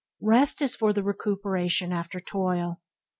Rest is for recuperation after toil.